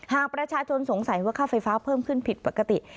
หากประชาชนสงสัยว่าค่าไฟฟ้าเพิ่มขึ้นผิดปกติ